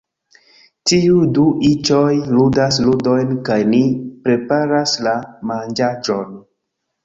Tiuj du iĉoj ludas ludojn kaj ni preparas la manĝaĵon